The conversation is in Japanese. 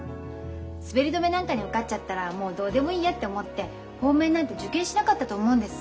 滑り止めなんかに受かっちゃったらもうどうでもいいやって思って本命なんて受験しなかったと思うんです。